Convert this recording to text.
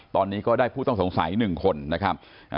ตอนนี้ก็ได้ผู้ต้องสงสัย๑คนนะครับ